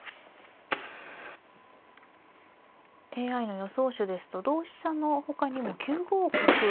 ＡＩの予想手ですと同飛車のほかにも９五角３五歩など。